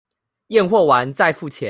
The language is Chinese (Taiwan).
驗貨完再付錢